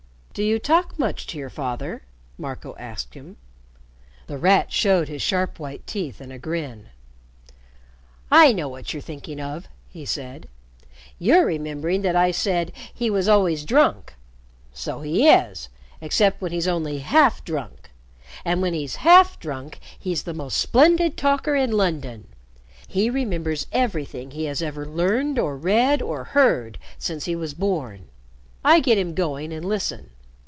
"Do you talk much to your father?" Marco asked him. The Rat showed his sharp white teeth in a grin. "I know what you're thinking of," he said. "You're remembering that I said he was always drunk. So he is, except when he's only half drunk. And when he's half drunk, he's the most splendid talker in London. He remembers everything he has ever learned or read or heard since he was born. I get him going and listen.